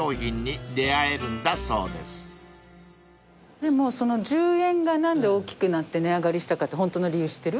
でもその１０円が何で大きくなって値上がりしたかってホントの理由知ってる？